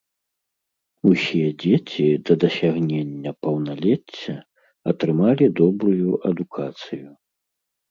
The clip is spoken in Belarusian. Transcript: Усе дзеці да дасягнення паўналецця атрымалі добрую адукацыю.